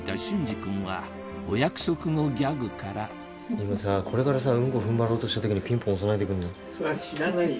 隼司君はお約束のギャグから今さこれからさうんこ踏ん張ろうとした時にピンポン押さないでくんない？